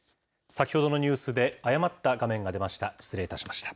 先ほどのニュースで誤った画面が出ました。